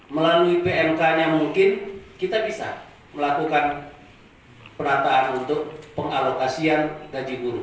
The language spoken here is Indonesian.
melalui pmk nya mungkin kita bisa melakukan penataan untuk pengalokasian gaji guru